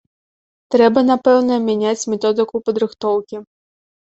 Трэба, напэўна, мяняць методыку падрыхтоўкі.